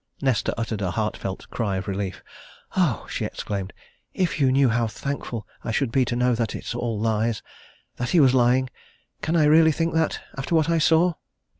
Nesta uttered a heartfelt cry of relief. "Oh!" she exclaimed. "If you knew how thankful I should be to know that it's all lies that he was lying! Can I really think that after what I saw?"